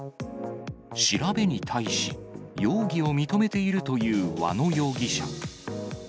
調べに対し、容疑を認めているという和野容疑者。